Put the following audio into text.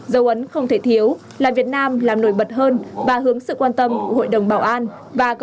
dấu ấn không thể thiếu là việt nam làm nổi bật hơn và hướng sự quan tâm của hội đồng bảo an và cộng đồng quốc tế